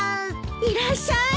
いらっしゃい！